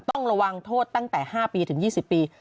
ต้องระวังโทษตั้งแต่๕ปีถึง๒๐ปี